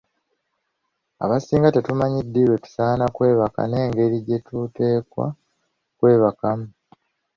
Abasinga tetumanyi ddi lwe tusaana kwebaka n’engeri gye tuteekwa okwebakamu.